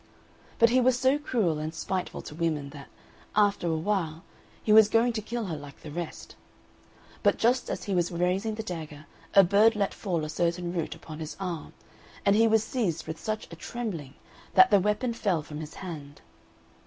But he was so cruel and spiteful to women that, after a while, he was going to kill her like the rest; but just as he was raising the dagger a bird let fall a certain root upon his arm, and he was seized with such a trembling that the weapon fell from his hand.